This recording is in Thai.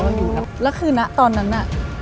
แล้วอยู่ครับแล้วคือน่ะตอนนั้นน่ะ